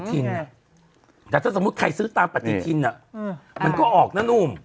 แต่ถ้าสมมุติใครซื้อตามปฏิทินมันก็ออกนะหนุ่ม